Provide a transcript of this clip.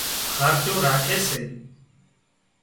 کارچُون راکي سي